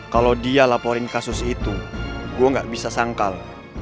kalau dia laporin kasus itu gue gak bisa sangkal